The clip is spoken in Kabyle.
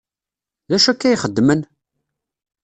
D acu akka ay xeddmen?